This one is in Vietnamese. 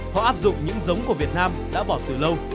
họ áp dụng những giống của việt nam đã bỏ từ lâu